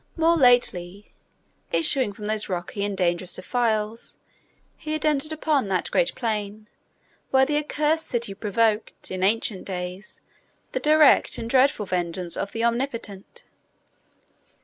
More lately, issuing from those rocky and dangerous defiles, he had entered upon that great plain, where the accursed cities provoked, in ancient days, the direct and dreadful vengeance of the Omnipotent.